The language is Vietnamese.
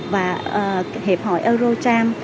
và hiệp hội eurocharm